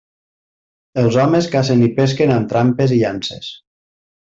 Els homes cacen i pesquen amb trampes i llances.